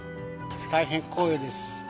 大変光栄です。